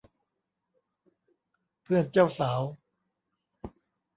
เพื่อนเจ้าสาว